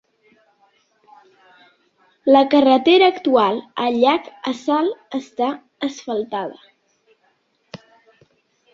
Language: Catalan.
La carretera actual al llac Assal està asfaltada.